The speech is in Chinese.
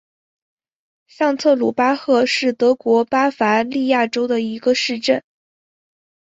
上特鲁巴赫是德国巴伐利亚州的一个市镇。